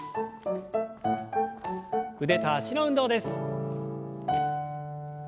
腕と脚の運動です。